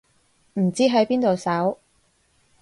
唔知喺邊度搜